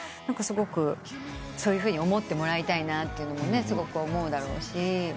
すごくそういうふうに思ってもらいたいなとすごく思うだろうし。